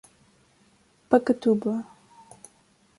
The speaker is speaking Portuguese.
Pacatuba